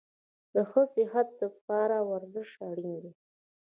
د ښه صحت دپاره ورزش اړین ده